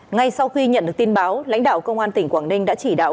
ngay sau khi nhận được tin báo lãnh đạo công an tỉnh quảng ninh đã chỉ đạo